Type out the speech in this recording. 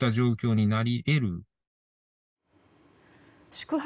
宿泊